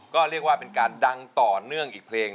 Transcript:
ก็เรียกว่าเป็นการดังต่อเนื่องอีกเพลง